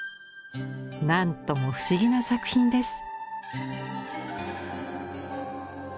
何とも不思議な作品です。